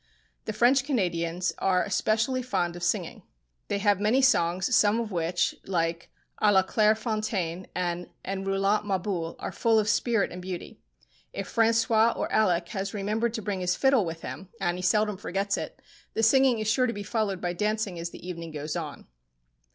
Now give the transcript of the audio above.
The French Canadians are especially fond of singing. They have many songs, some of which, like "À la claire fontaine" and "En roulant ma boule," are full of spirit and beauty. If François or Alec has remembered to bring his fiddle with him—and he seldom forgets it—the singing is sure to be followed by dancing as the evening goes on.